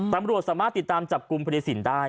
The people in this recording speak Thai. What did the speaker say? ตำรวจสามารถติดตามจับกลุ่มพิเศษศิลป์ได้